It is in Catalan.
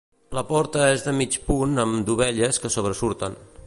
La porta és de mig punt amb dovelles que sobresurten.